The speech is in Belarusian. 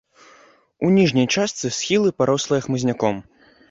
У ніжняй частцы схілы парослыя хмызняком.